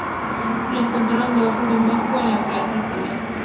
Lo encontraron debajo de un banco, en la Plaza Italia.